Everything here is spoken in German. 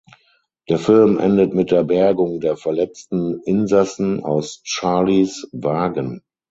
Der Film endet mit der Bergung der verletzten Insassen aus Charlies Wagen.